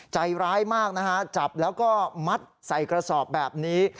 ใจร้ายมากนะฮะจับแล้วก็มัดใส่กระสอบแบบนี้